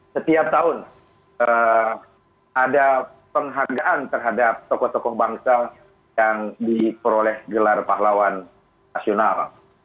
setiap tahun ada penghargaan terhadap tokoh tokoh bangsa yang diperoleh gelar pahlawan nasional